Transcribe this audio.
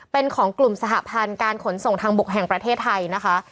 เป็นของกลุ่มสหพันธ์การขนส่งทางบกแห่งประเทศไทยนะคะ